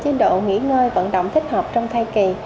tí cùng với chế độ nghỉ ngơi vận động thích hợp trong thai kỳ